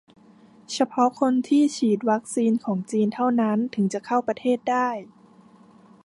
เฉพาะคนที่ฉีดวัคซีนของจีนเท่านั้นถึงจะเข้าประเทศได้